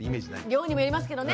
量にもよりますけどね。